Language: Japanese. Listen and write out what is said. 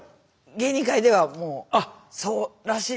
芸人界ではもう「そうらしい。